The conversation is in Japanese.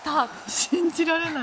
信じられない。